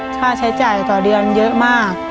ค่าใช้จ่ายต่อเดือนเยอะมาก